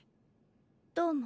どうも。